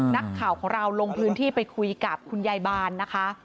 นักข่าวของเราลงพื้นที่ไปคุยกับคุณยายบานนะคะ